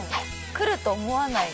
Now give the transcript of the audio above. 来ると思わない？